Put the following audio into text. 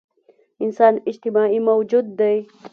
انسان اجتماعي موجود دی.